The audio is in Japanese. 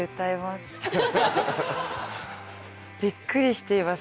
びっくりしています